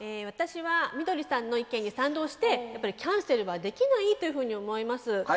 私はみどりさんの意見に賛同してやっぱりキャンセルはできないというふうに思います。